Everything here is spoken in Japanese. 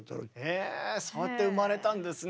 へえそうやって生まれたんですね。